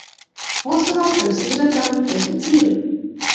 Hlasoval jsem se zřetelem k tomuto cíli.